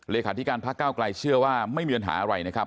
เลขาธิการพักเก้าไกลเชื่อว่าไม่มีปัญหาอะไรนะครับ